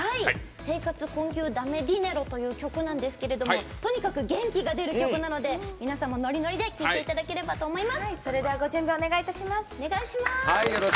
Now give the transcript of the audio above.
「生活こんきゅーダメディネロ」という曲なんですけれどもとにかく元気が出る曲なので皆さんもノリノリで聴いていただければと思います。